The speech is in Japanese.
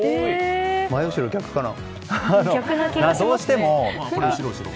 前後ろ逆かな？